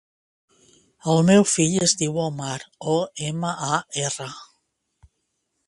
El meu fill es diu Omar: o, ema, a, erra.